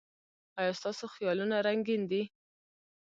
ایا ستاسو خیالونه رنګین دي؟